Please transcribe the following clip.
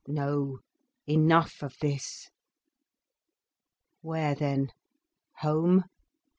No, enough of this. Where then?—home?